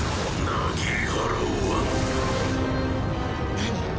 何？